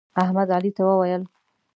احمد علي ته وویل: